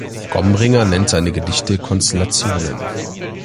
Gomringer nennt seine Gedichte „Konstellationen“.